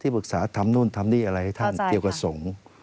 ปรึกษาทำนู่นทำลิอะไรเดียวกับสงค์